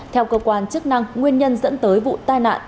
theo cơ quan chức năng nguyên nhân dẫn tới vụ tai nạn